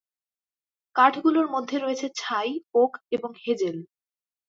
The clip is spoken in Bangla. কাঠগুলোর মধ্যে রয়েছে ছাই, ওক এবং হেজেল।